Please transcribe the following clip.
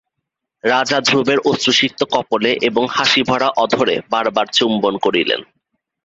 রাজা ধ্রুবের অশ্রুসিক্ত কপোলে এবং হাসিভরা অধরে বার বার চুম্বন করিলেন।